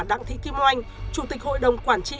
đặng thị kim oanh chủ tịch hội đồng quản trị